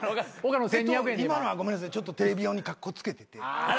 今のはごめんなさいちょっとテレビ用にカッコつけてて。